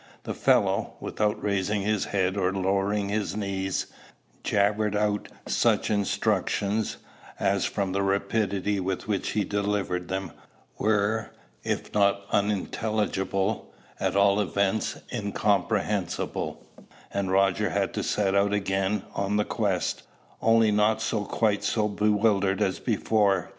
The fellow, without raising his head or lowering his knees, jabbered out such instructions as, from the rapidity with which he delivered them, were, if not unintelligible, at all events incomprehensible; and Roger had to set out again on the quest, only not quite so bewildered as before.